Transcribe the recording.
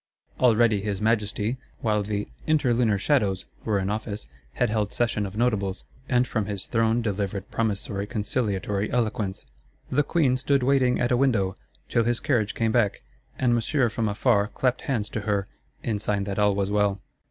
Already his Majesty, while the "interlunar shadows" were in office, had held session of Notables; and from his throne delivered promissory conciliatory eloquence: "The Queen stood waiting at a window, till his carriage came back; and Monsieur from afar clapped hands to her," in sign that all was well.